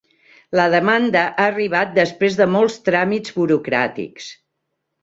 La demanda ha arribat després de molts tràmits burocràtics